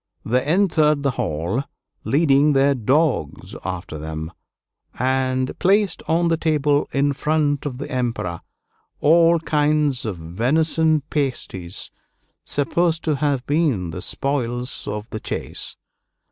They entered the hall, leading their dogs after them, and placed on the table in front of the Emperor all kinds of venison pasties, supposed to have been the spoils of the chase.